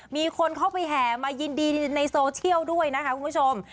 มีคนเข้าไปแห่มายินดีในโซเชียลด้วยนะคะคุณผู้ชม